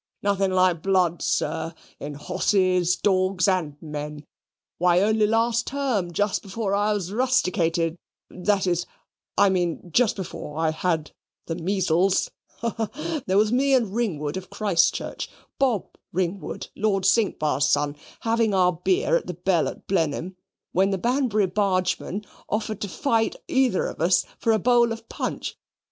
"Nothing like blood, sir, in hosses, dawgs, AND men. Why, only last term, just before I was rusticated, that is, I mean just before I had the measles, ha, ha there was me and Ringwood of Christchurch, Bob Ringwood, Lord Cinqbars' son, having our beer at the Bell at Blenheim, when the Banbury bargeman offered to fight either of us for a bowl of punch.